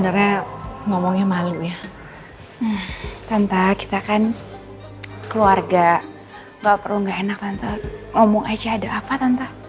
ngomong aja ada apa tante